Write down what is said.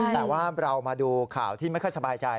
แต่ว่าเรามาดูข่าวที่ไม่ค่อยสบายใจ